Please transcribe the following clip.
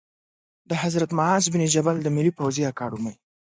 د حضرت معاذ بن جبل د ملي پوځي اکاډمۍ